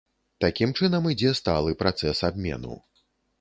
Такім чынам, ідзе сталы працэс абмену.